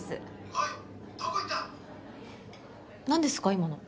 今の。